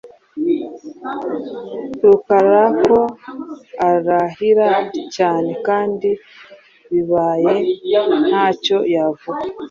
Rukara ko arahira cyane kandi bibaye ntacyo yavuga.